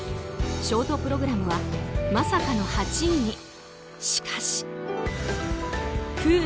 ショートプログラムはまさかの８位に。